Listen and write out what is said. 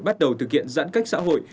bắt đầu thực hiện giãn cách xã hội